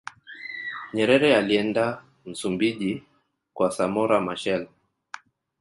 nyerere alienda msumbuji kwa samora machel